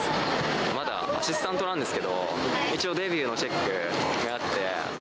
まだアシスタントなんですけど、一応デビューのチェックがあって。